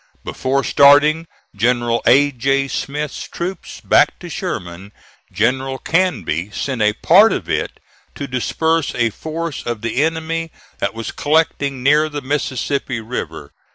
Before starting General A. J. Smith's troops back to Sherman, General Canby sent a part of it to disperse a force of the enemy that was collecting near the Mississippi River.